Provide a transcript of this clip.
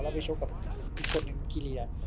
แล้วไปชกกับอีกคนกีเรีย